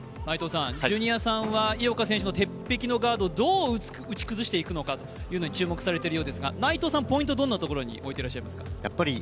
ジュニアさんは井岡選手の鉄壁のガードをどう打ち崩していくかに注目しているようですが、内藤さん、ポイント、どんなところに置いていらっしゃいますか？